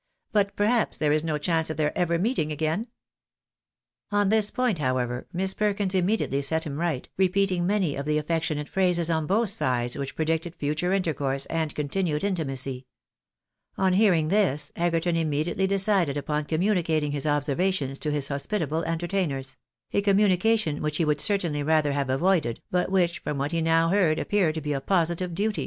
" But, perhaps, there is no chance of their ever meeting again ?" On this point, however, Miss Perkins immediately set him right, repeating many of the affectionate phrases on both sides which pre dicted future intercourse and continued intimacy. On hearing this, Egerton immediately decided upon communicating his observa tions to his hospitable entertainers ; a communication which he would certainly rather have avoided, but which, from what he now heard, appeared to be a positive duty.